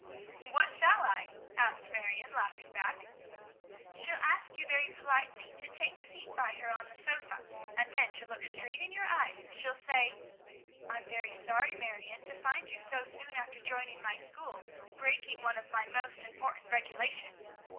"What shall I?" asked Marion, laughing back. "She'll ask you very politely to take a seat by her on the sofa, and then she'll look straight in your eyes and she'll say, "'I am very sorry, Marion, to find you so soon after joining my school breaking one of my most important regulations.'